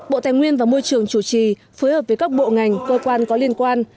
bộ tài nguyên và môi trường chủ trì phối hợp với các bộ ngành cơ quan có liên quan